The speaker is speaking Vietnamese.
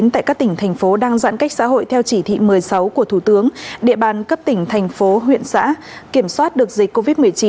tại các tỉnh thành phố đang giãn cách xã hội theo chỉ thị một mươi sáu của thủ tướng địa bàn cấp tỉnh thành phố huyện xã kiểm soát được dịch covid một mươi chín